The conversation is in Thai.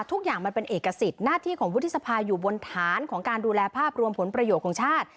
ทุกอย่างมันเป็นเอกสิทธิ์หน้าที่ของวุฒิสภาอยู่บนฐานของการดูแลภาพรวมผลประโยชน์ของชาติ